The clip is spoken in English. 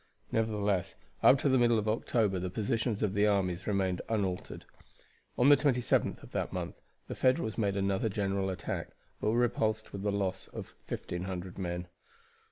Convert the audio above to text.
Nevertheless, up to the middle of October the positions of the armies remained unaltered. On the 27th of that month the Federals made another general attack, but were repulsed with a loss of 1,500 men.